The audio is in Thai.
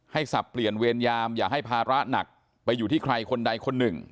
สับเปลี่ยนเวรยามอย่าให้ภาระหนักไปอยู่ที่ใครคนใดคนหนึ่ง